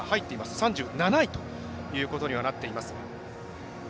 ３７位ということにはなっています。